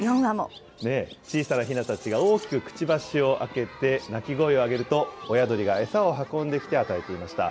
小さなひなたちが大きくくちばしを開けて、鳴き声を上げると、親鳥が餌を運んできて与えていました。